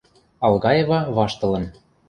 Алгаева ваштылын: